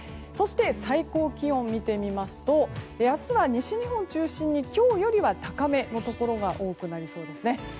そして、最高気温を見てみますと明日は西日本中心に今日よりは高めのところが多くなりそうですね。